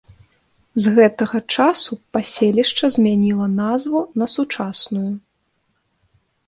З гэтага часу паселішча змяніла назву на сучасную.